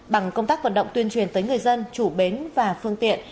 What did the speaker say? bằng công tác vận động tuyên truyền tới người dân chủ bến và phương tiện